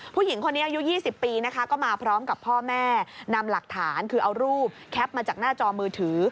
ผู้หญิงคนนี้อายุ๒๐ปีนะคะก็มาพร้อมกับพ่อแม่นำหลักฐานคือเอารูปแคปมาจากหน้าจอมือถือ